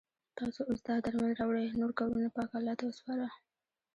تاسو اوس دا درمل راوړئ نور کارونه پاک الله ته وسپاره.